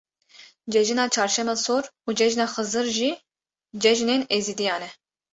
Cejina Çarşema Sor û Cejna Xizir jî cejnên êzîdiyan e.